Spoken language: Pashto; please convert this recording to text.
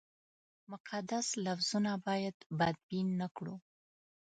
مقدس لفظونه باید بدبین نه کړو.